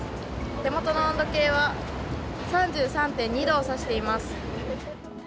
手元の温度計は３３．２度を指しています。